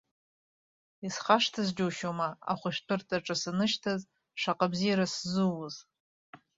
Исхашҭыз џьушьома, ахәышәтәырҭаҿы санышьҭаз, шаҟа абзиара сзууз.